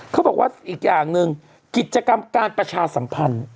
เขาบอกว่าอีกอย่างหนึ่งกิจกรรมการประชาสัมพันธ์